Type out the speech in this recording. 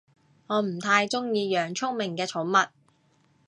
我唔太鍾意養聰明嘅寵物